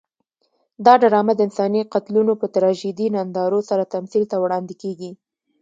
دا ډرامه د انساني قتلونو په تراژیدي نندارو سره تمثیل ته وړاندې کېږي.